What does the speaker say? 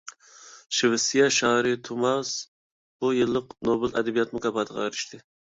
شىۋېتسىيە شائىرى توماس بۇ يىللىق نوبېل ئەدەبىيات مۇكاپاتىغا ئېرىشتى.